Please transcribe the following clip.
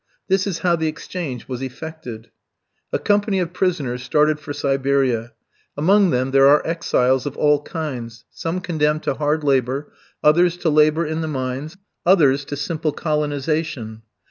This is how the exchange was effected: A company of prisoners started for Siberia. Among them there are exiles of all kinds, some condemned to hard labour, others to labour in the mines, others to simple colonisation.